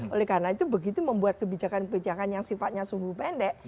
oleh karena itu begitu membuat kebijakan kebijakan yang sifatnya sumbu pendek